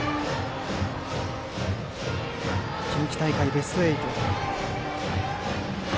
近畿大会ベスト８。